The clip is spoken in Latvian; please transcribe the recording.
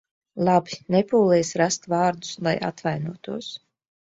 Labi, nepūlies rast vārdus, lai atvainotos.